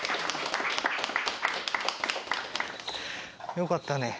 よかったね。